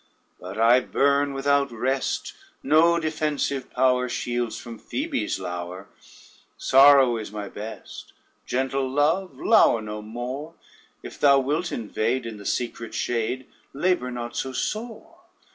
But I burn Without rest, No defensive power Shields from Phoebe's lour; Sorrow is my best. Gentle Love, Lour no more; If thou wilt invade In the secret shade, Labor not so sore.